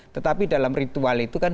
tetapi dalam ritual itu kan